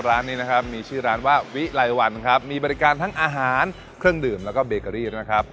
ร้านนี้นะครับมีชื่อร้านว่าวิไลวันครับมีบริการทั้งอาหารเครื่องดื่มแล้วก็เบเกอรี่นะครับ